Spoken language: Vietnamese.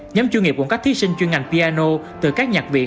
nhóm chuyên nghiệp cũng có thí sinh chuyên ngành piano từ các nhạc viện